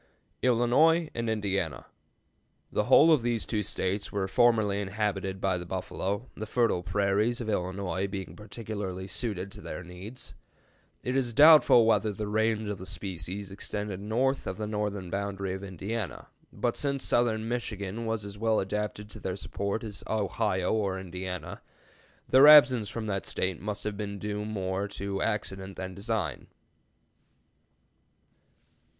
ILLINOIS AND INDIANA. The whole of these two States were formerly inhabited by the buffalo, the fertile prairies of Illinois being particularly suited to their needs. It is doubtful whether the range of the species extended north of the northern boundary of Indiana, but since southern Michigan was as well adapted to their support as Ohio or Indiana, their absence from that State must have been due more to accident than design.